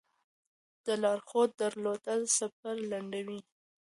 د لارښود درلودل سفر لنډوي.